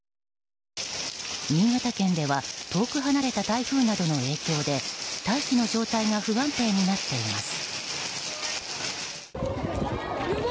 新潟県では遠く離れた台風などの影響で大気の状態が不安定になっています。